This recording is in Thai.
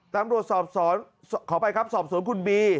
ตำโดสอบสอนขอไปครับสอบสวนคุณบี